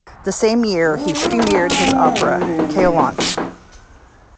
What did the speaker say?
The same year, he premiered his opera, "Keolanthe".